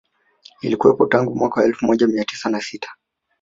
Ilikuwepo tangu mwaka elfu moja mia tisa na sita